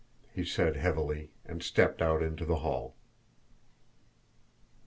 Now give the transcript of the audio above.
he said heavily, and stepped out into the hall.